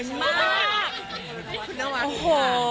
ป้องนวัดมานานมาก